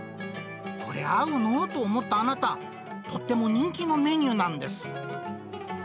これ合うのと思ったあなた、とっても人気のメニューなんです。